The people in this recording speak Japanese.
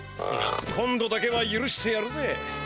今度だけはゆるしてやるぜ。